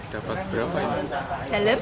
dapat berapa ini